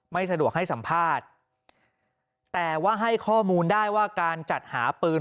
ไม่สะดวกให้สัมภาษณ์แต่ว่าให้ข้อมูลได้ว่าการจัดหาปืน